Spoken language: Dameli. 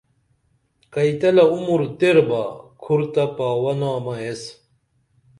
کئی تلہ عمر تیر با کُھر تہ پاوہ نامہ ایس